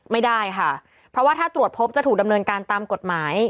ไม่ได้ค่ะเพราะว่าถ้าตรวจพบจะถูกดำเนินการตามกฎหมาย